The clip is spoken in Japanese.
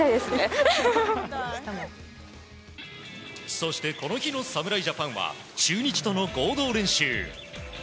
そして、この日の侍ジャパンは中日との合同練習。